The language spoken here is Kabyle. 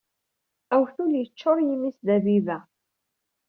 Awtul-a yeččuṛ yimi-s d abiba.